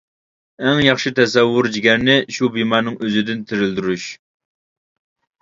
ئەڭ ياخشى تەسەۋۋۇر-جىگەرنى شۇ بىمارنىڭ ئۆزىدىن تىرىلدۈرۈش.